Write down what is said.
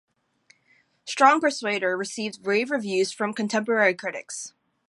"Strong Persuader" received rave reviews from contemporary critics.